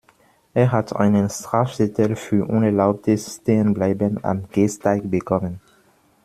Er hat einen Strafzettel für unerlaubtes Stehenbleiben am Gehsteig bekommen.